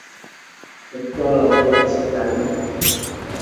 একটু আলাদা লাগছে, তাই না?